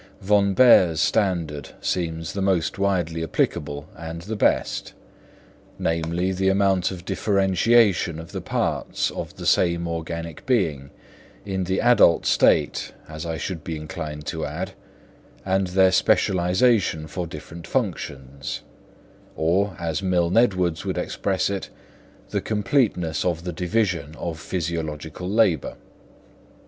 Von Baer's standard seems the most widely applicable and the best, namely, the amount of differentiation of the parts of the same organic being, in the adult state, as I should be inclined to add, and their specialisation for different functions; or, as Milne Edwards would express it, the completeness of the division of physiological labour.